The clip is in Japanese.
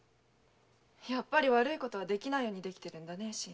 やっぱり悪いことはできないようにできてるんだね。